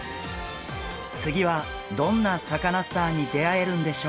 次はどんなサカナスターに出会えるんでしょうか。